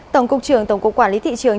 tổng cục trường tổng cục quản lý thị trường